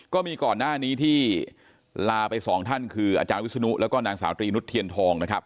ก็มีก่อนหน้านี้ที่ลาไปสองท่านคืออาจารย์วิศนุแล้วก็นางสาวตรีนุษย์เทียนทองนะครับ